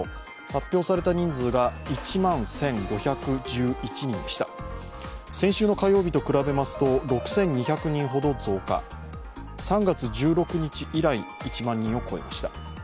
発表された人数が１万１５１１人でした先週の火曜日と比べますと６２００人ほど増加、３月１６日以来、１万人を超えました。